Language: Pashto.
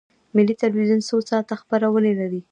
ملي تلویزیون څو ساعته خپرونې لري؟